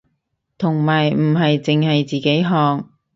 同埋唔係淨係自己學